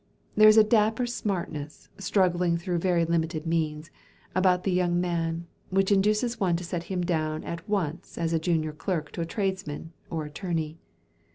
There is a dapper smartness, struggling through very limited means, about the young man, which induces one to set him down at once as a junior clerk to a tradesman or attorney.